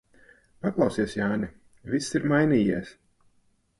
Paklausies, Jāni, viss ir mainījies.